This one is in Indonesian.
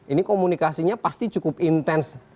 ini komunikasinya pasti cukup intens